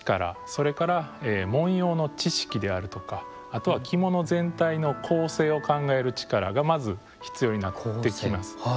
それから文様の知識であるとかあとは着物全体の構成を考える力がまず必要になってきます。